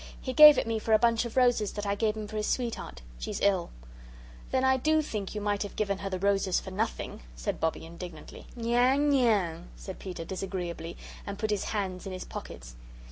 He gave it me for a bunch of roses that I gave him for his sweetheart. She's ill." "Then I do think you might have given her the roses for nothing," said Bobbie, indignantly. "Nyang, nyang!" said Peter, disagreeably, and put his hands in his pockets.